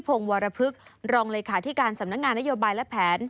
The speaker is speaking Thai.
พงศ์วรพฤกษ์รองเลขาธิการสำนักงานนโยบายและแผน